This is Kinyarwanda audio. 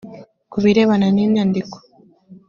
ku birebana n’inyandiko